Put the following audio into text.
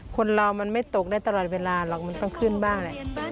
คนเรามันไม่ตกได้ตลอดเวลาหรอกมันต้องขึ้นบ้างแหละ